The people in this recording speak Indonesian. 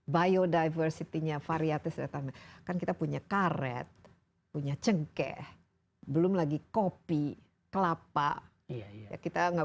biodiversitasnya variasi serta kita punya karet punya cengkeh belum lagi kopi kelapa kita nggak